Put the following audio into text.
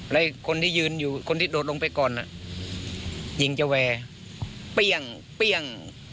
แล้วคนที่ยืนอยู่คนที่โดดลงไปก่อนยิงเจ้าแวร์เปรี้ยงเปรี้ยง